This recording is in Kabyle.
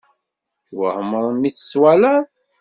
Twehmeḍ mi tt-twalaḍ?